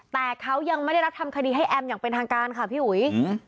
แต่เขายังไม่ได้รับทำคดีให้แอมอย่างเป็นทางการค่ะพี่อุ๋ย